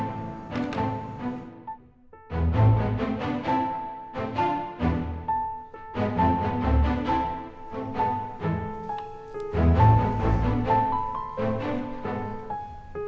gue mau tidur sama dia lagi